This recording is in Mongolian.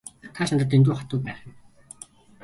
Та ч надад дэндүү хатуу байх юм.